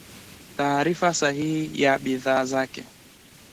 Taarifa sahihi ya bidhaa zake